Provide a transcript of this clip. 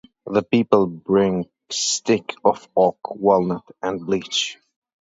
The people bring sticks of oak, walnut, and beech.